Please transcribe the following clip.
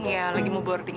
ya lagi mau boarding